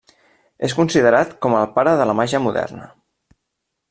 És considerat com el pare de la màgia moderna.